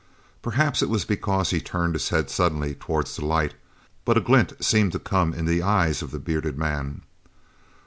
Perhaps it was because he turned his head suddenly towards the light, but a glint seemed to come in the eyes of the bearded man.